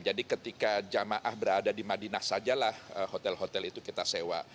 jadi ketika jamaah berada di madinah sajalah hotel hotel itu kita sewa